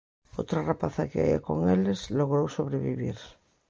Outra rapaza que ía con eles, logrou sobrevivir.